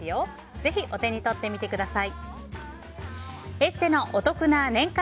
ぜひお手に取ってみてください。